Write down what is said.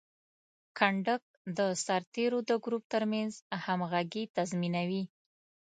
کنډک د سرتیرو د ګروپ ترمنځ همغږي تضمینوي.